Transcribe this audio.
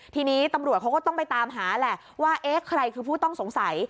ทีนี้ตำรวจเขาก็ต้องไปตามหาแหละว่าเอ๊ะใครคือผู้ต้องสงสัย